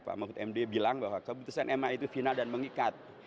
pak mahfud md bilang bahwa keputusan ma itu final dan mengikat